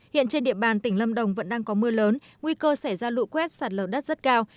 hiện trên địa bàn tỉnh lâm đồng vẫn đang có mưa lớn nguy cơ xảy ra lụ quét sạt lở đất rất cao